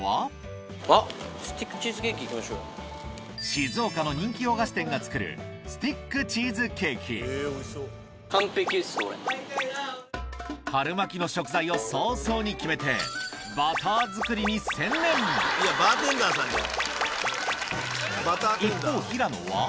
静岡の人気洋菓子店が作る春巻きの食材を早々に決めてバーテンダーさんじゃん。